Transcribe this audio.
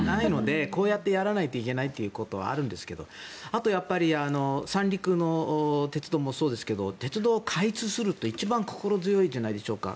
こうやってやらないといけないということはあるんですけどあと、三陸鉄道もそうですけど鉄道を開通すると、一番心強いんじゃないでしょうか。